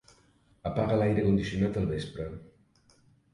Apaga l'aire condicionat al vespre.